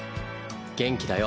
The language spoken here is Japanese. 元気だよ